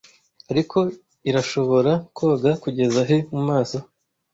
Ariko irashobora koga kugeza he mumaso